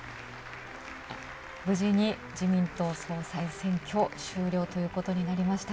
無事に自民党総裁選挙、終了ということになりました。